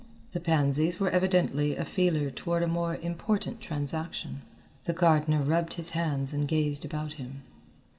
The pansies were evidently a feeler toward a more important transaction. The gardener rubbed his hands and gazed about him.